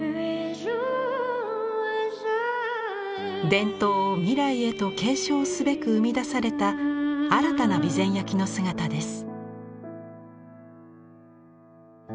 伝統を未来へと継承すべく生み出された新たな備前焼の姿です。